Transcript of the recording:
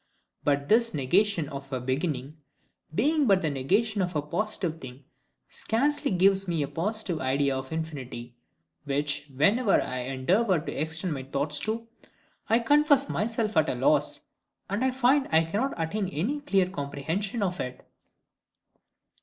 But this negation of a beginning, being but the negation of a positive thing, scarce gives me a positive idea of infinity; which, whenever I endeavour to extend my thoughts to, I confess myself at a loss, and I find I cannot attain any clear comprehension of it.